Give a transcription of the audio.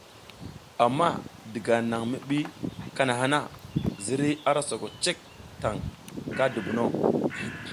Amma diga nan mi bi kana na, zirey ara soko cek taŋ nga dubuno.